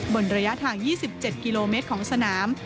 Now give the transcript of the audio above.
บนระยะทาง๒๗กิโลเมตรของสนาม